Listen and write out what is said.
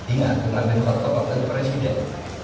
ingat umar bin hotto pak bin presiden